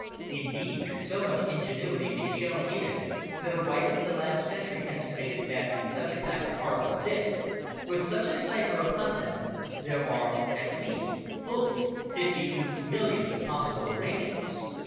Indeed, so much ingenuity is shown in it that a writer in the last century estimated that in such a pack of cards as this, with such a cipher upon them, there are at least fully fifty two millions of possible arrangements."